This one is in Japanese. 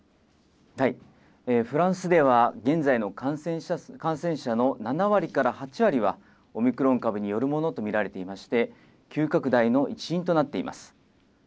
フランスでは現在の感染者の７割から８割はオミクロン株によるものと見られていまして、急拡大の一因となっています。